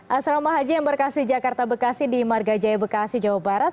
asrama haji embarkasi jakarta bekasi di marga jaya bekasi jawa barat